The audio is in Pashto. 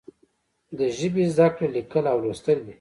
د ژبې زده کړه لیکل او لوستل دي.